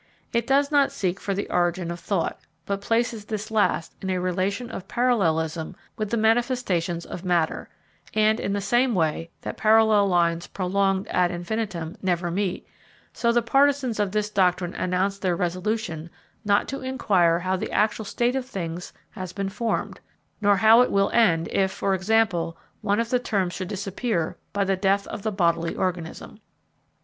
It does not seek for the origin of thought, but places this last in a relation of parallelism with the manifestations of matter; and in the same way that parallel lines prolonged ad infinitum never meet, so the partisans of this doctrine announce their resolution not to inquire how the actual state of things has been formed, nor how it will end if, for example, one of the terms should disappear by the death of the bodily organism.